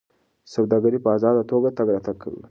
سوداګر په ازاده توګه تګ راتګ کوي.